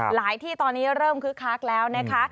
หลายที่ตอนนี้เริ่มคือคลักแล้วนะคะ